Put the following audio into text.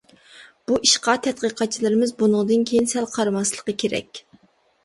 بۇ ئىشقا تەتقىقاتچىلىرىمىز بۇنىڭدىن كېيىن سەل قارىماسلىقى كېرەك.